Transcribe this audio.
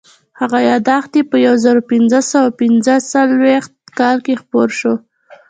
هغه یادښت یې په یو زرو پینځه سوه پینځه څلوېښت کال کې خپور شو.